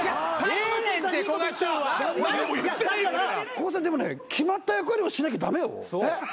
古賀さんでもね決まった役割はしなきゃ駄目よ。